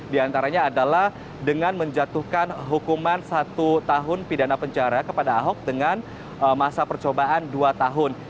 di antaranya adalah dengan menjatuhkan hukuman satu tahun pidana penjara kepada ahok dengan masa percobaan dua tahun